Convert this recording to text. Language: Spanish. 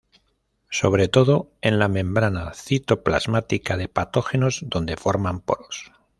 Sobre todo en la membrana citoplasmática de patógenos, donde forman poros.